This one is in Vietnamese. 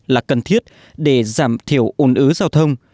là cần thiết để giảm thiểu ồn ứa giao thông